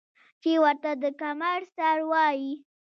چې ورته د کمر سر وايي ـ